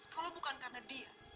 kalau bukan karena dia